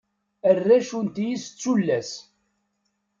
Arrac unti-is d tullas.